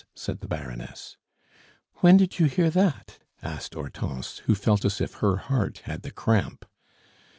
said the Baroness. "When did you hear that?" asked Hortense, who felt as if her heart had the cramp.